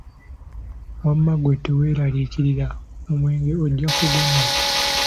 Wamma ggwe teweeralikirira, omwenge ojja kunywa.